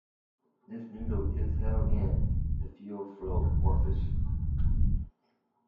This needle is held in the fuel flow orifice.